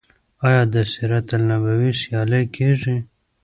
آیا د سیرت النبی سیالۍ کیږي؟